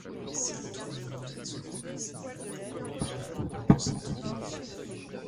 Si les trois lignées sont abaissées, on parle de pancytopénie.